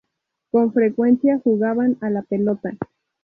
Con frecuencia jugaban a la pelota.